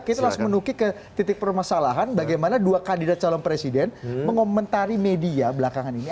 kita langsung menukik ke titik permasalahan bagaimana dua kandidat calon presiden mengomentari media belakangan ini